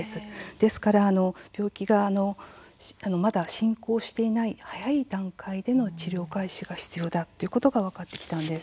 ですから病気がまだ進行していない早い段階での治療開始が必要だということが分かってきたんです。